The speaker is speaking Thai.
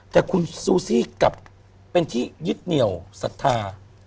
แต่คุณซูซี่กลับเป็นที่ยึดเหนียวศรัทธา